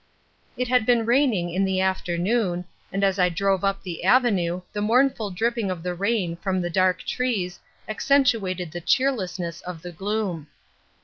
It had been raining in the afternoon, and as I drove up the avenue the mournful dripping of the rain from the dark trees accentuated the cheerlessness of the gloom.